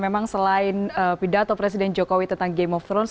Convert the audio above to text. memang selain pidato presiden jokowi tentang game of thrones